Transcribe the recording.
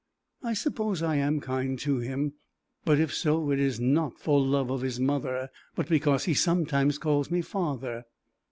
I suppose I am kind to him, but if so it is not for love of his mother, but because he sometimes calls me father.